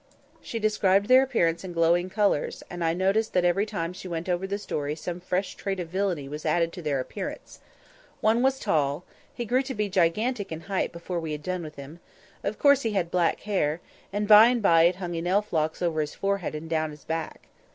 She described their appearance in glowing colours, and I noticed that every time she went over the story some fresh trait of villainy was added to their appearance. One was tall—he grew to be gigantic in height before we had done with him; he of course had black hair—and by and by it hung in elf locks over his forehead and down his back.